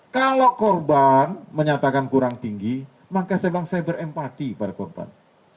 kalau korban menyatakan kurang tinggi maka saya bilang saya berempati pada korban